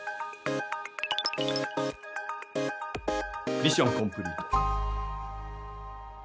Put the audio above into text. ミッションコンプリート。